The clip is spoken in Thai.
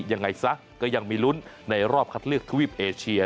ยังไงซะก็ยังมีลุ้นในรอบคัดเลือกทวีปเอเชีย